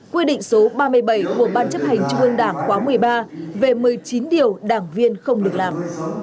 quy định số ba mươi bảy của ban chấp hành trung ương đảng khóa một mươi ba về một mươi chín điều đảng viên không được làm